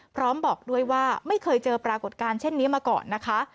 พร้อมบอกด้วยว่าไม่เคยเจอปรากฏการณ์เช่นนี้มาก่อนนะคะ